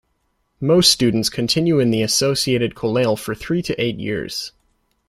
Most students continue in the associated kollel for three to eight years.